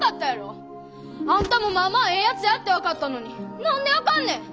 あんたもまあまあええやつやって分かったのに何であかんねん！？